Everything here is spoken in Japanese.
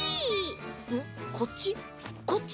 こっち？